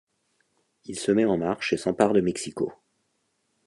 Il se met en marche et s'empare de Mexico.